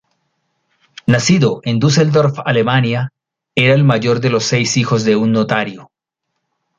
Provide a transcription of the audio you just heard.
Nacido en Düsseldorf, Alemania, era el mayor de los seis hijos de un notario.